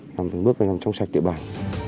làm từng bước để làm trong sạch địa bàn